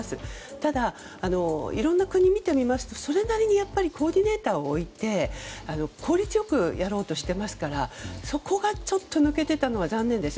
ただ、いろんな国を見てみてもそれなりのコーディネーターを置いて効率よくやろうとしてますからそこが抜けていたのは残念です。